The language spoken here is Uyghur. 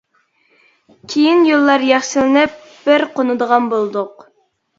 كېيىن يوللار ياخشىلىنىپ بىر قونىدىغان بولدۇق.